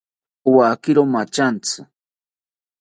Owakiro mathantzi